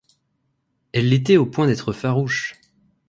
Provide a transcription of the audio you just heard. Elle l’était au point d’être farouche.